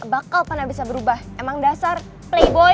bakal pernah bisa berubah emang dasar playboard